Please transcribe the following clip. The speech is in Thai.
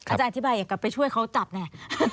อาจารย์อธิบายอยากกับไปช่วยเขาจับแน่